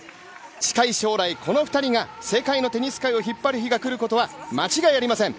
近い将来、この２人が世界のテニス界を引っ張る日が来ることは間違いありません。